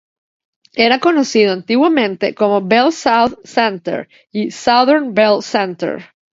Era conocido antiguamente como BellSouth Center y Southern Bell Center.